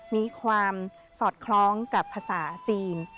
มีความสอดคล้องกับภาษาจีน